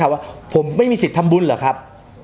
ว่าผมไม่มีสิทธิ์ทำบุญเหรอครับ